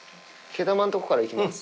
毛玉のところからいきます。